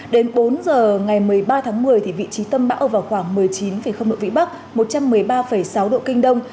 đến bốn giờ ngày một mươi ba tháng một mươi vị trí tâm bão ở vào khoảng một mươi chín độ vĩ bắc một trăm một mươi ba sáu độ kinh đông